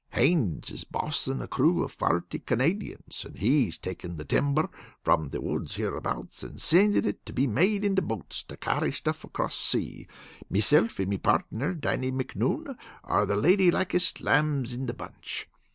Haines is bossin' a crew of forty Canadians and he's takin' the timber from the woods hereabouts, and sending it to be made into boats to carry stuff across sea. Meself, and me partner, Dannie Micnoun, are the lady likest lambs in the bunch.